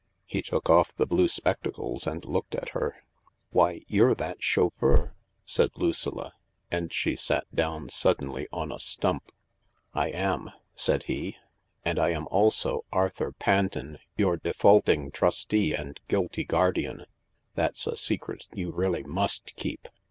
" He took off the blue spectacles and looked at her. " Why, you're that chauffeur !" said Lucilla, and she sat down suddenly on a stump. " I am," said he; "and I am also Arthur Ponton, your defaulting trustee and guilty guardian. That's a secret you really must keep.